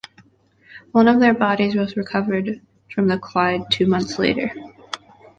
One of their bodies was recovered from the Clyde two months later.